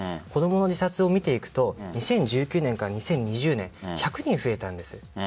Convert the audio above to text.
子供の自殺を見ていくと２０１９年から２０２０年１００人増えたんです。